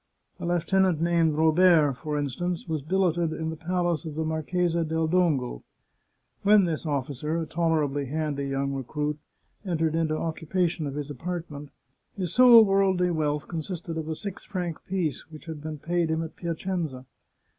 A lieutenant named Robert, for instance, was billeted in the palace of the Marchesa del Dongo. When this officer, a tolerably handy young recruit, entered into occupation of his apartment, his sole worldly wealth consisted of a six franc piece, which had been paid him at Piacenza.